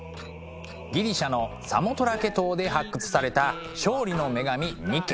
ギリシャのサモトラケ島で発掘された勝利の女神ニケ。